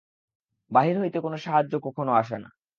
বাহির হইতে কোন সাহায্য কখনও আসে না।